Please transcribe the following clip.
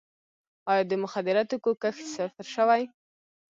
آیا د مخدره توکو کښت صفر شوی؟